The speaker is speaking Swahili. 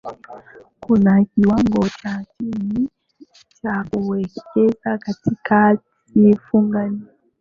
kuna kiwango cha chini cha kuwekeza katika hati fungani